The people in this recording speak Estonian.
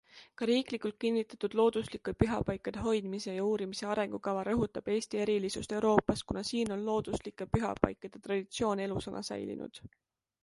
Ka riiklikult kinnitatud looduslike pühapaikade hoidmise ja uurimise arengukava rõhutab Eesti erilisust Euroopas, kuna siin on looduslike pühapaikade traditsioon elusana säilinud.